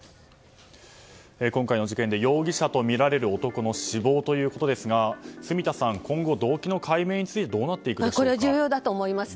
今回の事件で容疑者とみられる男の死亡ということですが住田さん、今後動機の解明についてこれは重要だと思います。